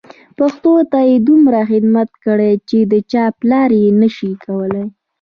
پښتو ته یې دومره خدمت کړی چې د چا پلار یې نه شي کولای.